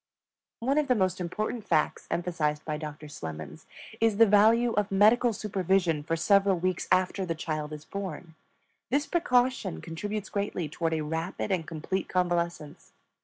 One of the most important facts emphasized by Doctor Slemons is the value of medical supervision for several weeks after the child is born; this precaution contributes greatly toward a rapid and complete convalescence.